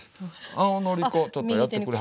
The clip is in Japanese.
青のり粉ちょっとやってくれはります？